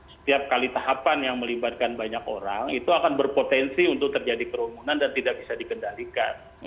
setiap kali tahapan yang melibatkan banyak orang itu akan berpotensi untuk terjadi kerumunan dan tidak bisa dikendalikan